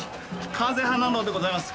風花楼でございます。